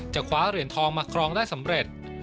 คว้าเหรียญทองมาครองได้สำเร็จ